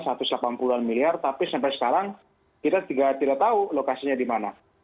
rp satu ratus delapan puluh an miliar tapi sampai sekarang kita tidak tahu lokasinya di mana